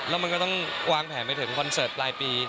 แล้วมันก็ต้องวางแผนไปถึงคอนเสิร์ตปลายปี